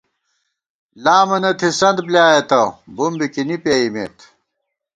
لامَنہ تھِسَنت بۡلیایَہ تہ ، بُم بِکِنی پېئیمېت